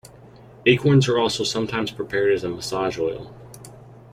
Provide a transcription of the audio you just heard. Acorns are also sometimes prepared as a massage oil.